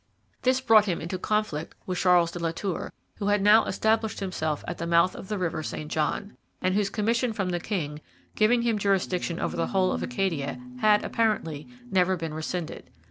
] This brought him into conflict with Charles de la Tour, who had now established himself at the mouth of the river St John, and whose commission from the king, giving him jurisdiction over the whole of Acadia, had, apparently, never been rescinded.